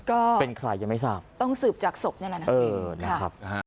ก็ต้องสืบจากศพนั้นแหละนะครับ